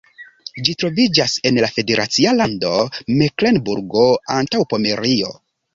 Ĝi troviĝas en la federacia lando Meklenburgo-Antaŭpomerio.